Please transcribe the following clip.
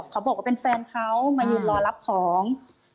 เขาบอกว่าเป็นแฟนเขามายืนรอรับของ